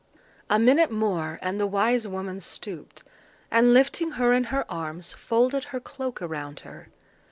A minute more and the wise woman stooped, and lifting her in her arms, folded her cloak around her.